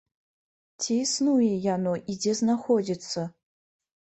Ці існуе яно і дзе знаходзіцца?